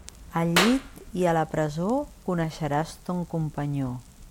Al llit i a la presó coneixeràs ton companyó.